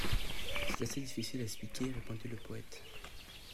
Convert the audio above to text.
C’est assez difficile à expliquer, répondit le poëte.